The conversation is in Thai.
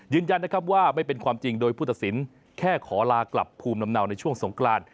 ยืนยันนะครับว่าไม่เป็นความจริงโดยผู้ตัดสินแค่ขอลากลับภูมิลำเนาในช่วงสงกราน